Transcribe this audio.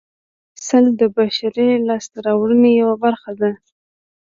سل د بشري لاسته راوړنو یوه برخه ده